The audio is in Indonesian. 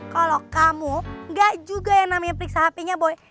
kalau kamu nggak juga yang namanya periksa hp nya boy